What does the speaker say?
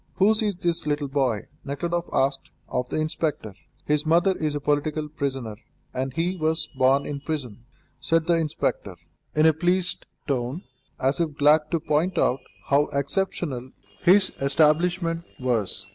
"Whose is this little boy?" Nekhludoff asked of the inspector. "His mother is a political prisoner, and he was born in prison," said the inspector, in a pleased tone, as if glad to point out how exceptional his establishment was.